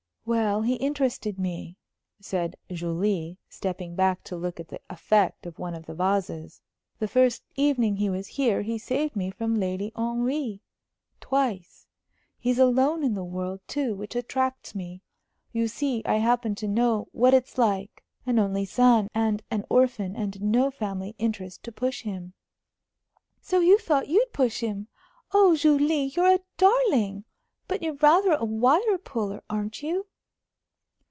"Well, he interested me," said Julie, stepping back to look at the effect of one of the vases. "The first evening he was here, he saved me from Lady Henry twice. He's alone in the world, too, which attracts me. You see, I happen to know what it's like. An only son, and an orphan, and no family interest to push him " "So you thought you'd push him? Oh, Julie, you're a darling but you're rather a wire puller, aren't you?"